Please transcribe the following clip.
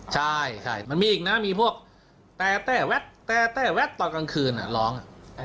ใช่มันมีอีกนะมีพวกแต้แวดแต่แต้แวดตอนกลางคืนร้อง